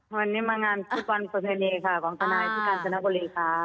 วันนี้มางานทุกวันประเทศนีย์ค่ะของทนายพิการสนบุรีค่ะ